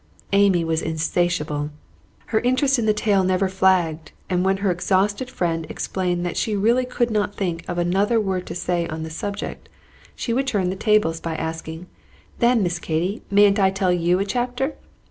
Amy was insatiable. Her interest in the tale never flagged; and when her exhausted friend explained that she really could not think of another word to say on the subject, she would turn the tables by asking, "Then, Miss Katy, mayn't I tell you a chapter?"